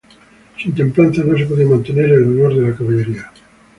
Sin templanza no se podía mantener el honor de la caballería.